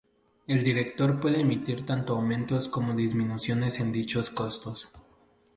El Director puede emitir tanto aumentos como disminuciones en dichos costos.